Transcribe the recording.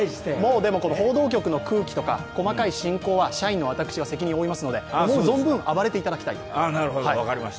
でも報道局の空気とか細かい進行は社員の私が責任を負いますので思う存分暴れていただきたい。